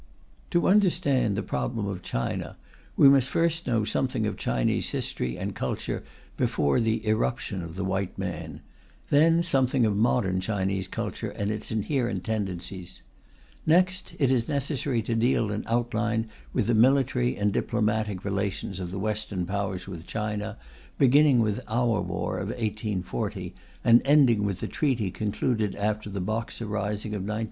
To understand the problem of China, we must first know something of Chinese history and culture before the irruption of the white man, then something of modern Chinese culture and its inherent tendencies; next, it is necessary to deal in outline with the military and diplomatic relations of the Western Powers with China, beginning with our war of 1840 and ending with the treaty concluded after the Boxer rising of 1900.